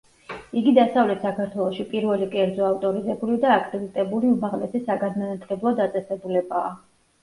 იგი დასავლეთ საქართველოში პირველი კერძო ავტორიზებული და აკრედიტებული უმაღლესი საგანმანათლებლო დაწესებულებაა.